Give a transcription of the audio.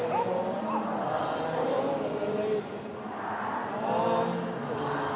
ทุกมหาชาติ